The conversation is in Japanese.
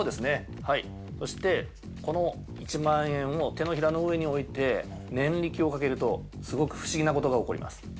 はい、そしてこの１万円を手のひらの上に置いて念力をかけるとすごく不思議なことが起こります。